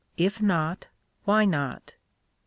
If not, why not ?